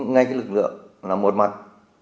ngay cái lực lượng là một mặt